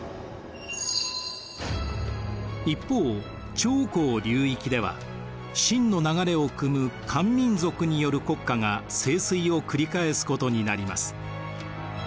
一方長江流域では晋の流れをくむ漢民族による国家が盛衰を繰り返すことになります。